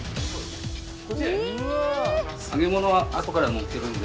揚げ物は後からのっけるんで。